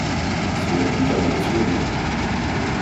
Ce n’est plus qu’un mauvais souvenir.